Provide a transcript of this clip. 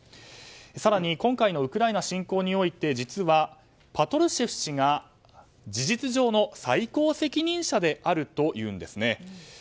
更に、今回のウクライナ侵攻において実はパトルシェフ氏が事実上の最高責任者であるというんですね。